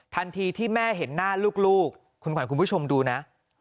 ทันทีที่แม่เห็นหน้าลูกคุณขวัญคุณผู้ชมดูนะ